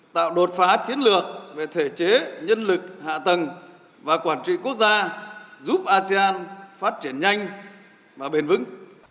tạo đột phá chiến lược về thể chế nhân lực hạ tầng và quản trị quốc gia giúp asean phát triển nhanh và bền vững